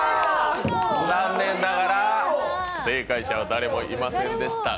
残念ながら、正解者は誰もいませんでした。